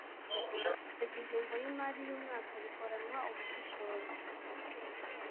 Kwemeza ingengo y imari y umwaka bikoranwa ubushishozi